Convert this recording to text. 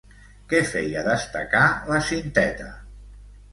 Què feia destacar la cinteta?